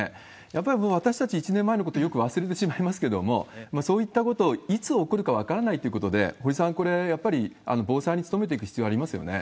やっぱり私たち、１年前のことよく忘れてしまいますけれども、そういったことを、いつ起こるか分からないということで、堀さん、これ、やっぱり防災に努めていく必要ありますよね。